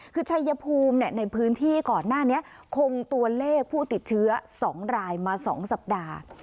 คือชัยภูมิในพื้นที่ก่อนหน้านี้คงตัวเลขผู้ติดเชื้อ๒รายมา๒สัปดาห์